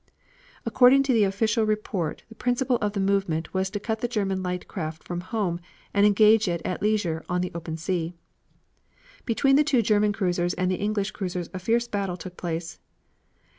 According to the official report the principle of the movement was to cut the German light craft from home, and engage it at leisure on the open sea. But between the two German cruisers and the English cruisers a fierce battle took place.